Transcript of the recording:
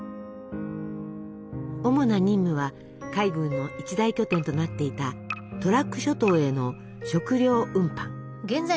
主な任務は海軍の一大拠点となっていたトラック諸島への食糧運搬。